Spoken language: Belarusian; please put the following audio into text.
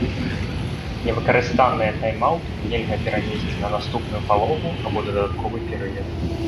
Нявыкарыстаныя тайм-аўты нельга перанесці на наступную палову або дадатковы перыяд.